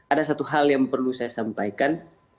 ada satu hal yang perlu saya sampaikan